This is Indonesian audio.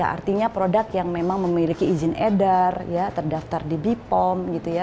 artinya produk yang memang memiliki izin edar terdaftar di bipom